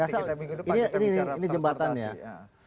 nanti kita bicara transportasi